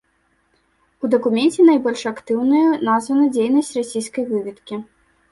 У дакуменце найбольш актыўнаю названая дзейнасць расійскай выведкі.